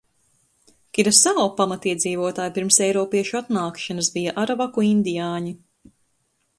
Kirasao pamatiedzīvotāji pirms eiropiešu atnākšanas bija aravaku indiāņi.